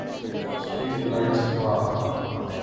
street lights خوا